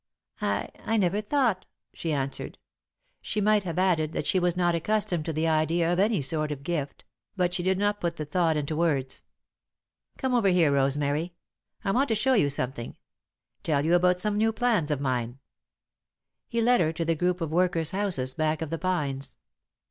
"I I never thought," she answered. She might have added that she was not accustomed to the idea of any sort of gift, but she did not put the thought into words. "Come over here, Rosemary. I want to show you something tell you about some new plans of mine." He led her to the group of workers' houses back of the pines.